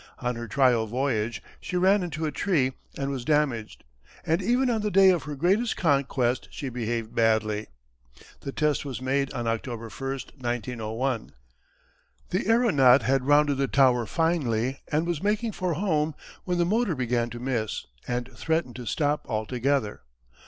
On her trial voyage she ran into a tree and was damaged, and even on the day of her greatest conquest she behaved badly. The test was made on October 1, 1901. The aeronaut had rounded the Tower finely and was making for home when the motor began to miss and threatened to stop altogether.